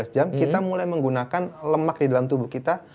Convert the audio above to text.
dua belas jam kita mulai menggunakan lemak di dalam tubuh kita